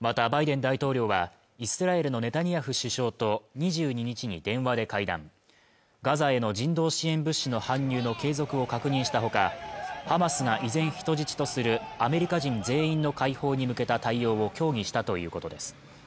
またバイデン大統領はイスラエルのネタニヤフ首相と２２日に電話で会談ガザへの人道支援物資の搬入の継続を確認したほかハマスが依然人質とするアメリカ人全員の解放に向け対応を協議したということです